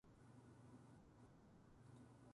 ぜいたくで華やかで、きらびやかで美しいさま。